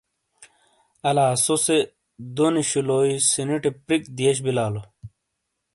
الا سو سے دونی شُلوئی سِینی ٹے پِرِیک دِیئش بِیلالو۔